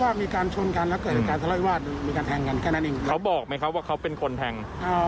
ไว้ให้คุณมีแทงแต่ไม่ได้บอกว่าใครคุณแทง